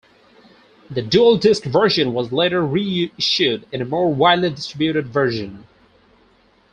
The DualDisc version was later reissued in a more widely distributed version.